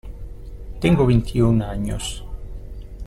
Tengo veintiún años.